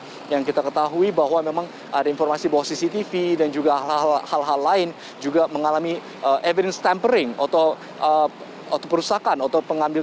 jadi yang kita ketahui bahwa memang ada informasi bahwa cctv dan juga hal hal lain juga mengalami evidence tampering atau perusakan atau pengambil